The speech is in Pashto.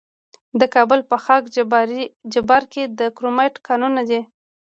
د کابل په خاک جبار کې د کرومایټ کانونه دي.